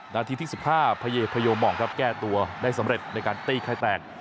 นาทีที่๑๕พยพโยมองครับแก้ตัวได้สำเร็จในการตีไข่แตก